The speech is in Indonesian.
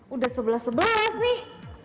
udah sebelas sebelas nih